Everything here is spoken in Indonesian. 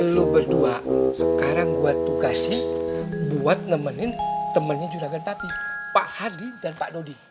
lo berdua sekarang gue tugasin buat ngemenin temennya juragan papi pak hardi dan pak dodi